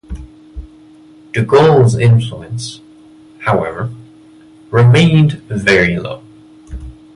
De Gaulle's influence, however, remained very low.